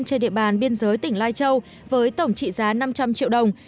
trên địa bàn biên giới tỉnh lai châu với tổng trị giá năm trăm linh triệu đồng